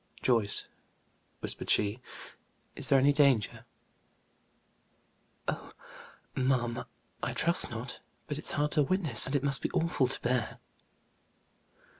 "Joyce," whispered she, "is there any danger?" "Oh, ma'am, I trust not! But it's hard to witness, and it must be awful to bear."